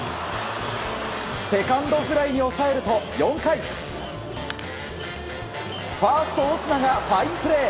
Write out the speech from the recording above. セカンドフライに抑えると４回ファースト、オスナがファインプレー。